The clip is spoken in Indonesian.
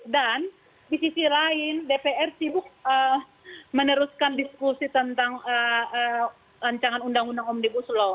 di sisi lain dpr sibuk meneruskan diskusi tentang rancangan undang undang omnibus law